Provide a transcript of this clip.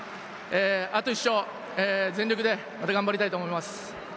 あと１勝、全力で頑張りたいと思います。